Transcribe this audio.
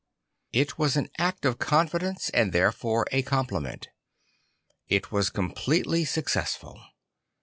It was an act of confidence and therefore a compliment. It was completely successful.